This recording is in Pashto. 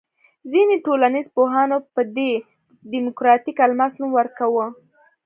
ځینې ټولنیز پوهانو به دې ته دیموکراتیک الماس نوم ورکاوه.